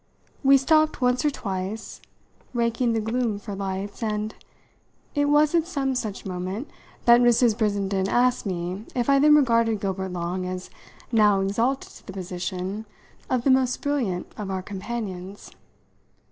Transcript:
We stopped once or twice, raking the gloom for lights, and it was at some such moment that Mrs. Brissenden asked me if I then regarded Gilbert Long as now exalted to the position of the most brilliant of our companions.